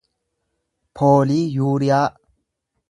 pooliiyuuriyaa